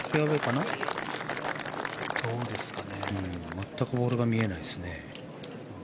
全くボールが見えないですね。